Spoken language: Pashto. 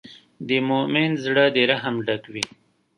د مؤمن زړۀ د رحم ډک وي.